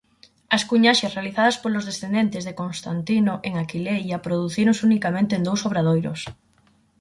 As cuñaxes realizadas polos descendentes de Constantino en Aquileia producíronse unicamente en dous obradoiros.